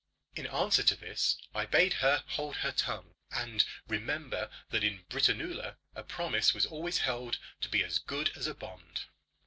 In answer to this I bade her hold her tongue, and remember that in Britannula a promise was always held to be as good as a bond.